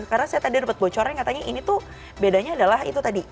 karena saya tadi dapet bocornya katanya ini tuh bedanya adalah itu tadi